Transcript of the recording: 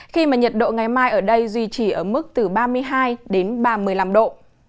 khi mà nhiệt độ ngày mai ở đây duy trì ở mức từ ba mươi hai đến ba mươi năm độ